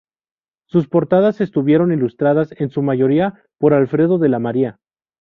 Sus portadas estuvieron ilustradas en su mayoría por Alfredo De la María.